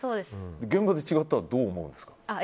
現場で違ったらどう思うんですか？